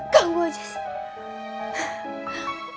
gagal aja sih